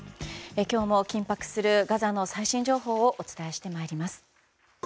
今日も緊迫するガザの最新情報をお伝えしてまいります。